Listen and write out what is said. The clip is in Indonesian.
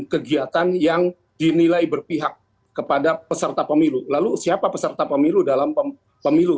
kegiatan yang dinilai berpihak kepada peserta pemilu lalu siapa peserta pemilu dalam pemilu